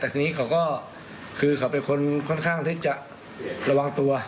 แต่ทีนี้เขาก็คือเขาเป็นคนค่อนข้างที่จะระวังตัว